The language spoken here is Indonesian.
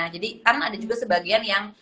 jadi kan ada juga sebagian yang